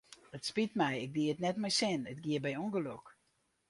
It spyt my, ik die it net mei sin, it gie by ûngelok.